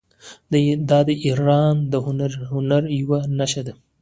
دا د ایران د هنر یوه نښه ده.